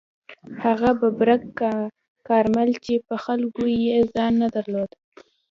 هغه ببرک کارمل چې په خلکو کې ځای نه درلود.